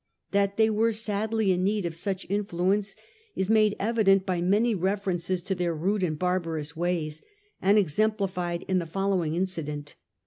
That they were sadly in need of such influence is made evident by many references to their rude and barbarous ways, and exemplified in the following incident.